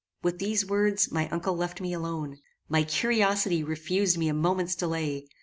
With these words my uncle left me alone. My curiosity refused me a moment's delay.